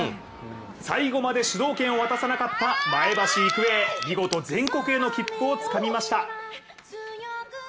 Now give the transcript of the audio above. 最後まで主導権を渡さなかった前橋育英見事全国への切符をつかみました。